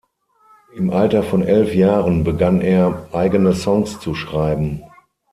Im Alter von elf Jahren begann er eigene Songs zu schreiben.